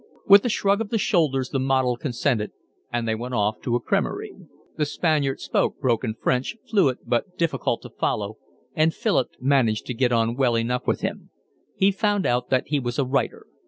With a shrug of the shoulders the model consented, and they went off to a cremerie. The Spaniard spoke broken French, fluent but difficult to follow, and Philip managed to get on well enough with him. He found out that he was a writer.